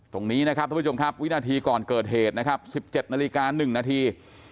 ตรงนี้นะครับท่านผู้ชมครับวินาทีก่อนเกิดเหตุนะครับ๑๗นาฬิกา๑นาที